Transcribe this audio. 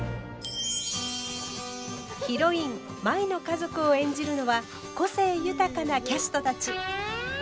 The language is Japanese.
ヒロイン舞の家族を演じるのは個性豊かなキャストたち。